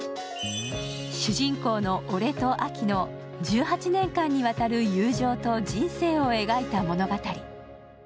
主人公の俺とアキの１８年間にわたる友情と人生を描いた物語。